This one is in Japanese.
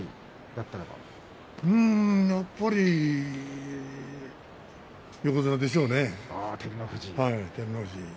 やっぱり横綱でしょうね照ノ富士。